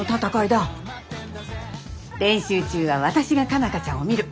練習中は私が佳奈花ちゃんを見る。